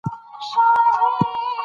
د نورو خلکو عیبونه پټوه.